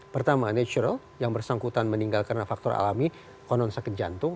pertama natural yang bersangkutan meninggal karena faktor alami konon sakit jantung